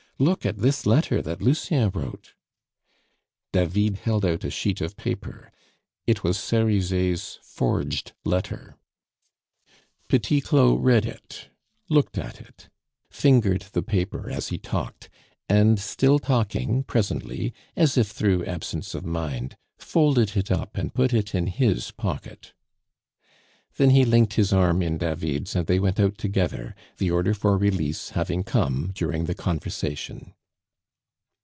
Look at this letter that Lucien wrote." David held out a sheet of paper. It was Cerizet's forged letter. Petit Claud read it, looked at it, fingered the paper as he talked, and still taking, presently, as if through absence of mind, folded it up and put it in his pocket. Then he linked his arm in David's, and they went out together, the order for release having come during the conversation.